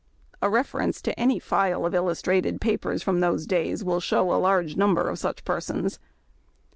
A reference to any file of illustrated papers of those days will show a large number of such persons.